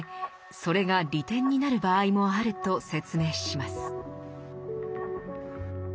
それが利点になる場合もあると説明します。